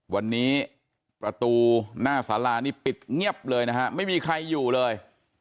วันนี้ประตูหน้าสารานี่ปิดเงียบเลยนะฮะไม่มีใครอยู่เลย